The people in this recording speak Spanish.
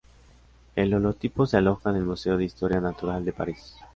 El holotipo se aloja en el Museo de Historia Natural de Paris.